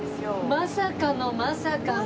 まさかのまさかの。